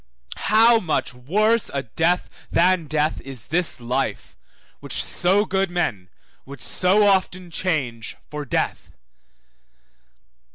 How much worse a death than death is this life, which so good men would so often change for death!